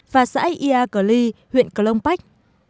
và xã ia cờ ly huyện cờ lông bách